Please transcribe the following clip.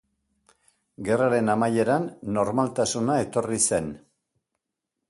Gerraren amaieran normaltasuna etorri zen.